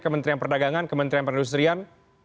kementerian perdagangan kementerian perindustrian